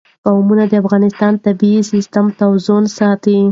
قومونه د افغانستان د طبعي سیسټم توازن ساتي.